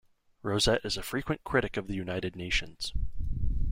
Rosett is a frequent critic of the United Nations.